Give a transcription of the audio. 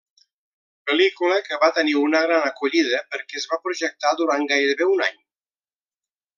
Pel·lícula que va tenir una gran acollida perquè es va projectar durant gairebé un any.